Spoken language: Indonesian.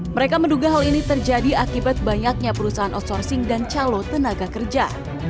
mereka menduga hal ini terjadi akibat banyaknya perusahaan outsourcing dan calo tenaga kerja